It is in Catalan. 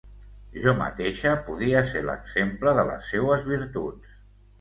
Jo mateixa podia ser l’exemple de les seues virtuts.